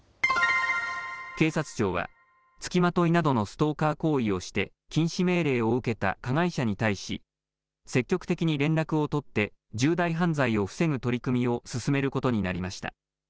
警察庁はつきまといなどのストーカー行為をして禁止命令を受けた加害者に対し積極的に連絡を取って重大犯罪を防ぐ取り組みを進めることになりました。